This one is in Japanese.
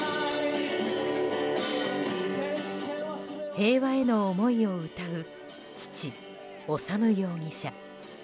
平和への思いを歌う父・修容疑者。